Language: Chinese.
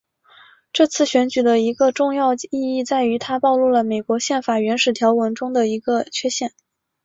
这次选举的一个重要意义在于它暴露了美国宪法原始条文中的一个缺陷。